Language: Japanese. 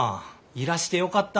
いらしてよかった。